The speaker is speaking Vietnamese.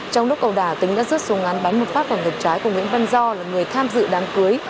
trong đất cầu đà tính đã rước súng ngắn bắn một phát vào ngực trái của nguyễn văn do là người tham dự đám cưới